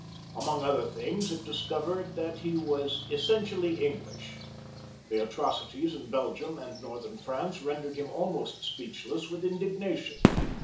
Among other things it discovered that he was essentially English. The atrocities in Belgium and Northern France rendered him almost speechless with indignation.